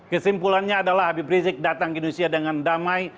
kesimpulannya adalah habib rizik datang ke indonesia dengan damai